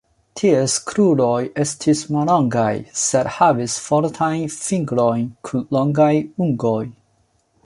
Ties kruroj estis mallongaj, sed havis fortajn fingrojn kun longaj ungoj.